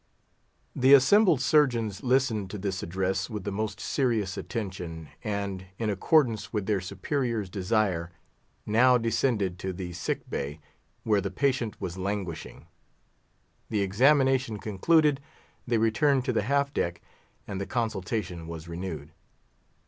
The assembled surgeons listened to this address with the most serious attention, and, in accordance with their superior's desire, now descended to the sick bay, where the patient was languishing. The examination concluded, they returned to the half deck, and the consultation was renewed.